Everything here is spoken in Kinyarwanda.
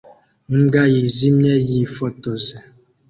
Imbwa yijimye yifotoje